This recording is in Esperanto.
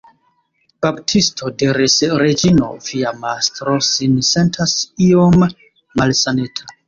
Baptisto, diris Reĝino, via mastro sin sentas iom malsaneta.